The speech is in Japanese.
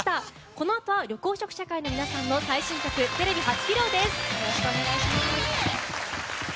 このあとは緑黄色社会の皆さんの最新曲テレビ初披露です。